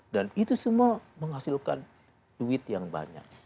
dan itu semua menghasilkan duit yang banyak